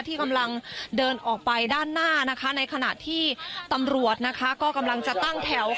ที่กำลังเดินออกไปด้านหน้านะคะในขณะที่ตำรวจนะคะก็กำลังจะตั้งแถว